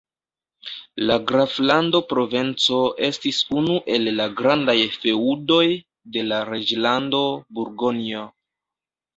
La graflando Provenco estis unu el la grandaj feŭdoj de la reĝlando Burgonjo.